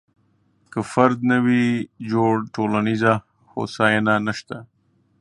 که فرد نه وي جوړ، ټولنیزه هوساینه نشته.